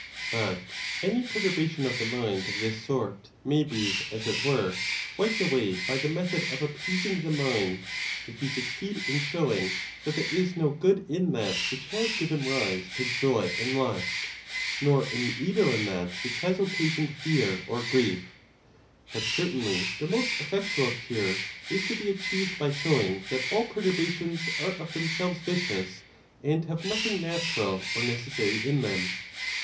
But any perturbation of the mind of this sort may be, as it were, wiped away by the method of appeas ON OTHER PERTURBATIONS OF THE MIND. 153 ing the mind, if you succeed in showing that there is no good in that which has given rise to joy and lust, nor any evil in that which has occasioned fear or grief. But cer tainly the most effectual cure is to be achieved by show ing that all perturbations are of themselves vicious, and have nothing natural or necessary in them.